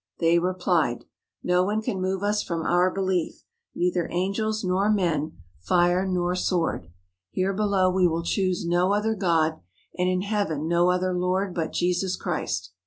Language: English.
They replied: "No one can move us from our belief, neither angels nor men, fire nor sword. Here 273 THE HOLY LAND AND SYRIA below we will choose no other God, and in heaven no other Lord but Jesus Christ."